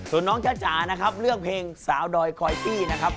ส่วนน้องจ้าจ๋านะครับเลือกเพลงสาวดอยคอยปี้นะครับ